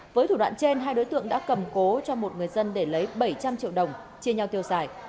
với thủ đoạn trên hai đối tượng đã cầm cố cho một người dân để lấy bảy trăm linh triệu đồng chia nhau tiêu xài